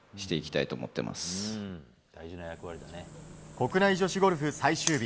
国内女子ゴルフ最終日。